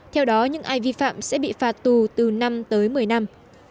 theo đó những ai vi phạm sẽ bị phạt tù từ năm tới một mươi năm